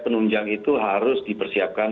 penunjang itu harus dipersiapkan